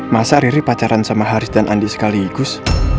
masa riri pacaran sama haris dan andi sekaligus